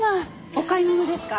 お買い物ですか？